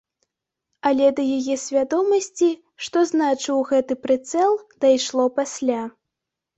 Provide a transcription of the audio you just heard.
Але да яе свядомасці, што значыў гэты прыцэл, дайшло пасля.